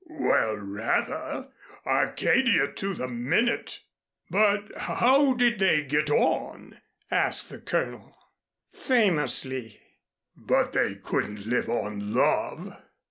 "Well, rather! Arcadia to the minute. But how did they get on?" asked the Colonel. "Famously " "But they couldn't live on love."